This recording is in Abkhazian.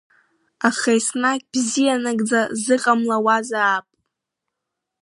Аха еснагь бзиа нагӡа зыҟамлауазаап!